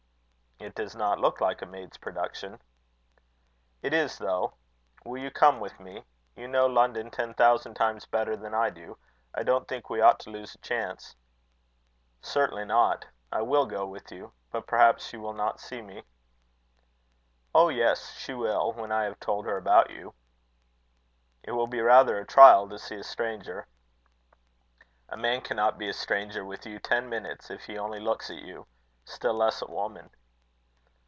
"It does not look like a maid's production." "It is though. Will you come with me? You know London ten thousand times better than I do. I don't think we ought to lose a chance." "Certainly not. I will go with you. But perhaps she will not see me." "Oh! yes, she will, when I have told her about you." "It will be rather a trial to see a stranger." "A man cannot be a stranger with you ten minutes, if he only looks at you; still less a woman."